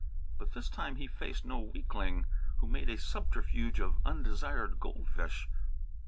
But this time he faced no weakling who made a subterfuge of undesired goldfish.